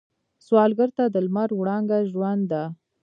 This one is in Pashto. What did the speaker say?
سوالګر ته د لمر وړانګه ژوند ده